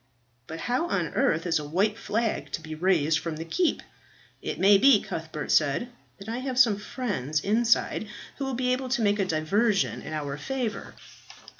"But how on earth is a white flag to be raised from the keep?" "It may be," Cuthbert said, "that I have some friends inside who will be able to make a diversion in our favour.